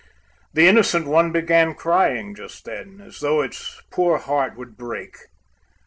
The innocent one began crying just then, As though its poor heart would break.